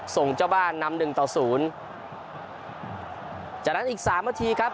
ส่งเจ้าบ้านนำหนึ่งต่อศูนย์จากนั้นอีกสามนาทีครับ